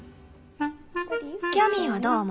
キャミーはどう思う？